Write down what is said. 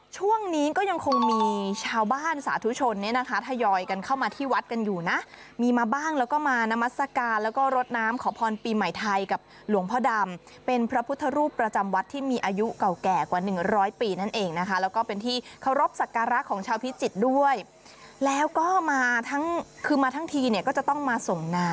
ช่วงนี้ก็ยังคงมีชาวบ้านสาธุชนเนี่ยนะคะทยอยกันเข้ามาที่วัดกันอยู่นะมีมาบ้างแล้วก็มานามัศกาลแล้วก็รดน้ำขอพรปีใหม่ไทยกับหลวงพ่อดำเป็นพระพุทธรูปประจำวัดที่มีอายุเก่าแก่กว่าหนึ่งร้อยปีนั่นเองนะคะแล้วก็เป็นที่เคารพสักการะของชาวพิจิตรด้วยแล้วก็มาทั้งคือมาทั้งทีเนี่ยก็จะต้องมาส่งน้ำ